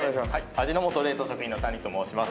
味の素冷凍食品の谷と申します